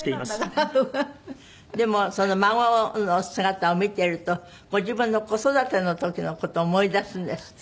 でも孫の姿を見てるとご自分の子育ての時の事思い出すんですって？